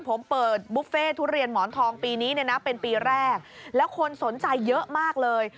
ผมเปิดบุฟเฟ่ทุเรียนหมอนทองปีนี้เนี่ยนะเป็นปีแรกแล้วคนสนใจเยอะมากเลย